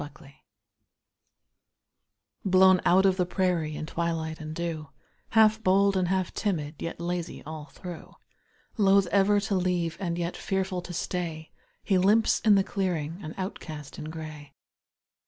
COYOTE Blown out of the prairie in twilight and dew, Half bold and half timid, yet lazy all through; Loath ever to leave, and yet fearful to stay, He limps in the clearing, an outcast in gray.